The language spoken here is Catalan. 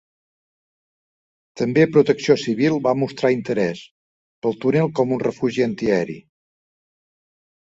També protecció civil va mostrar interès, pel túnel com un refugi antiaeri.